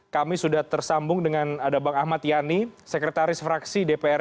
kami sudah tersambung dengan ada bang ahmad yani sekretaris fraksi dpr ri